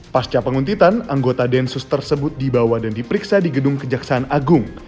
pasca penguntitan anggota densus tersebut dibawa dan diperiksa di gedung kejaksaan agung